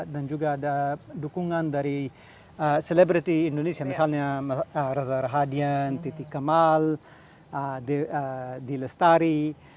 dan juga ada dukungan dari selebriti indonesia misalnya razar hadian titi kamal d lestari